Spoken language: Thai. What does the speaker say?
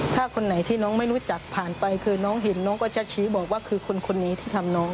ถ้าคนไหนที่น้องไม่รู้จักผ่านไปคือน้องเห็นน้องก็จะชี้บอกว่าคือคนนี้ที่ทำน้อง